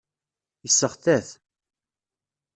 Yesseɣta-t.